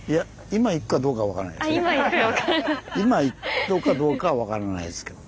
今行くのかどうか分からないですけど。